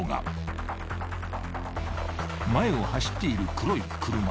［前を走っている黒い車］